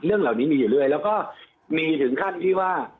เรื่องเหล่านี้มีอยู่เรื่อยแล้วก็มีถึงขั้นที่ว่า